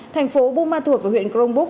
thành phố buôn ma thuột và huyện cronbuk